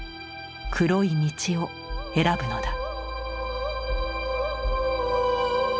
黒い道を選ぶのだ」。